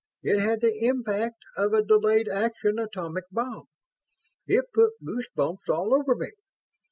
It had the impact of a delayed action atomic bomb. It put goose bumps all over me.